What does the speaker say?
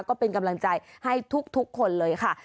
ก็เป็นกำลังใจให้ทุกคนเลยค่ะ